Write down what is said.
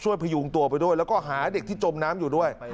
พยุงตัวไปด้วยแล้วก็หาเด็กที่จมน้ำอยู่ด้วย